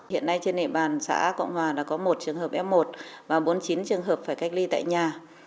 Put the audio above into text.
hiện nay trên địa bàn xã cộng hòa đã có một trường hợp f một và bốn mươi chín trường hợp phải cách ly tại nhà